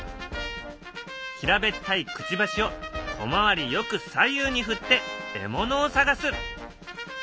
平べったいくちばしを小回りよく左右に振って獲物を探す。